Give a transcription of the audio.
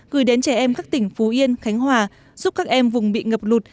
gửi đến trẻ em các tỉnh phú yên khánh hòa giúp các em vùng bị ngập lụt